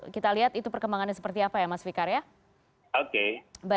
kita lihat itu perkembangannya seperti apa ya mas fikar ya